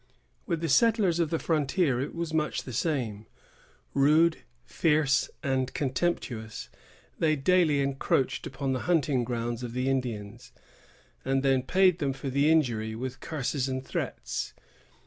With the settlers of the frontier it was much the same. Rude, fierce and contemptuous, they daily encroached upon the hunting grounds of the Indians, and then paid them for the injury with curses and threats.